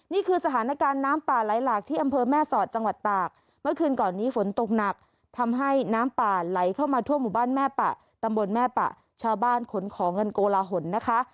นี่คือสถานการณ์น้ำป่าไหลหลากที่อำเภอแม่สอดจังหวัดตากเมื่อคืนก่อนนี้ฝนตกหนักทำให้น้ำป่าไหลเข้ามาทั่วหมู่บ้านแม่ปะตำบลแม่ปะชาวบ้านขนของกันโกลาหลนะคะ